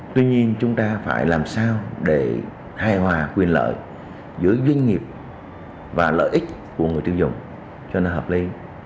tuy nhiên chúng ta phải làm sao để hài hòa quyền lợi giữa doanh nghiệp và lợi ích của người tiêu dùng cho nó hợp lý